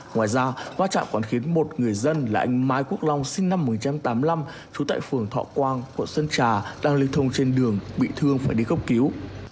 ngoài ra va chạm còn khiến một người dân là anh mai quốc long sinh năm một nghìn chín trăm tám mươi năm trú tại phường thọ quang quận sơn trà đang lưu thông trên đường bị thương phải đi cấp cứu